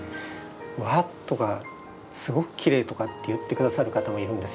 「わあ！」とか「すごくきれい」とかって言ってくださる方もいるんですよ。